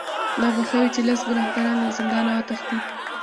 دا به ښه وي چې لس ګناهکاران له زندانه وتښتي.